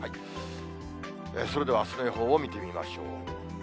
それではあすの予報を見てみましょう。